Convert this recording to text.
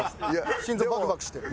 心臓バクバクしてる。